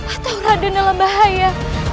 atau raden dalam bahaya